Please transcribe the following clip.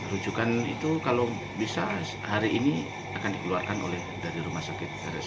rujukan itu kalau bisa hari ini akan dikeluarkan oleh dari rumah sakit rsud